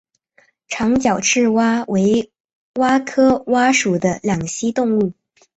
长脚赤蛙为蛙科蛙属的两栖动物。